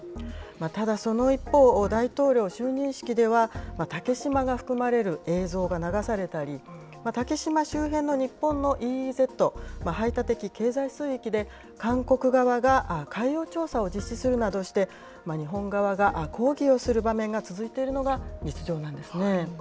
ただその一方、大統領就任式では、竹島が含まれる映像が流されたり、竹島周辺の日本のＥＥＺ・排他的経済水域で韓国側が海洋調査を実施するなどして、日本側が抗議をする場面が続いているのが実情なんですね。